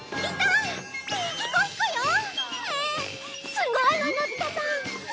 すごいわのび太さん！